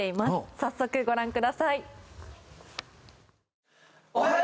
早速ご覧ください。